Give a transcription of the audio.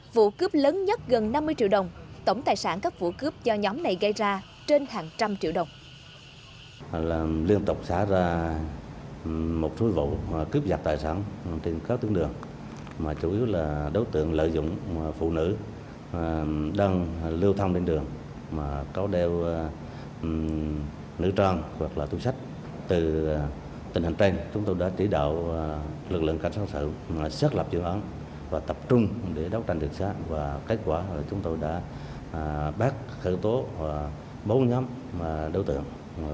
vụ cướp lớn nhất gần năm mươi triệu đồng tổng tài sản các vụ cướp do nhóm này gây ra trên hàng trăm triệu đồng